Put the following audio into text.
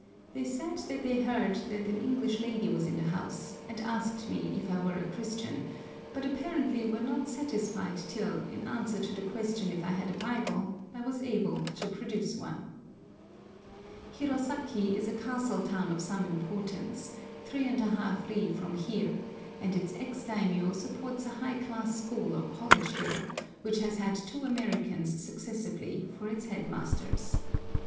They said that they heard that an English lady was in the house, and asked me if I were a Christian, but apparently were not satisfied till, in answer to the question if I had a Bible, I was able to produce one. Hirosaki is a castle town of some importance, 3½ ri from here, and its ex daimiyô supports a high class school or college there, which has had two Americans successively for its headmasters.